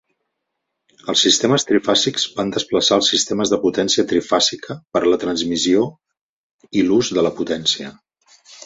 Els sistemes trifàsics van desplaçar els sistemes de potència trifàsica per a la transmissió i l'ús de la potència